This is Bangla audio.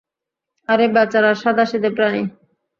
আরে বেচারা সাধাসিধা প্রাণী।